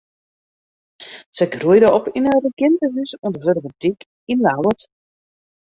Se groeide op yn in regintehûs oan de Wurdumerdyk yn Ljouwert.